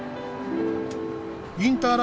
インター